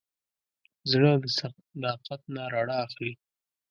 زړه د صداقت نه رڼا اخلي.